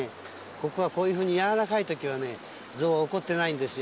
ここがこういうふうに柔らかいときはね、ゾウは怒ってないんですよ。